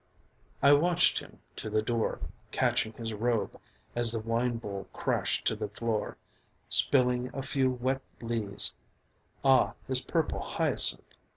I watched him to the door, catching his robe as the wine bowl crashed to the floor, spilling a few wet lees (ah, his purple hyacinth!)